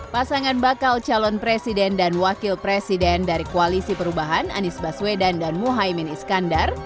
pasangan bakal calon presiden dan wakil presiden dari koalisi perubahan anies baswedan dan muhaymin iskandar